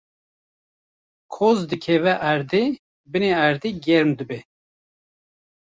koz dikeve erdê, binê erdê germ dibe